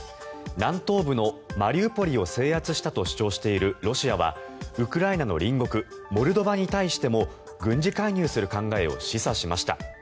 南東部のマリウポリを制圧したと主張しているロシアはウクライナの隣国モルドバに対しても軍事介入する考えを示唆しました。